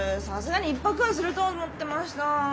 さすがに１泊はすると思ってました。